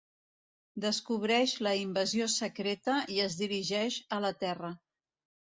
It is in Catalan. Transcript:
Descobreix la Invasió Secreta i es dirigeix a la Terra.